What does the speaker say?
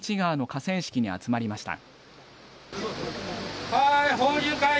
河川敷に集まりました。